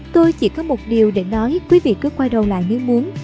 tôi chỉ có một điều để nói quý vị cứ quay đầu lại nếu muốn